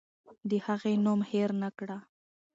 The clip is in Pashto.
د هغې نوم هېر نکړه.